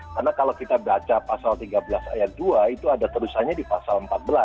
karena kalau kita baca pasal tiga belas ayat dua itu ada terusannya di pasal empat belas